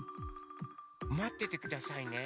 まっててくださいね。